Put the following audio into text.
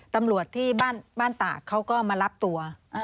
ตำรวจที่บ้านตากเขาก็มารับตัว